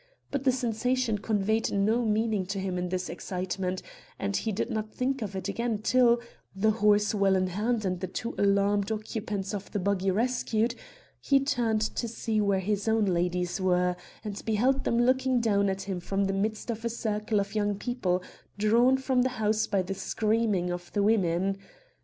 But the sensation conveyed no meaning to him in his excitement, and he did not think of it again till, the horse well in hand and the two alarmed occupants of the buggy rescued, he turned to see where his own ladies were, and beheld them looking down at him from the midst of a circle of young people, drawn from the house by the screaming of the women.